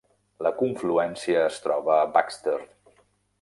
La confluència es troba a Baxter.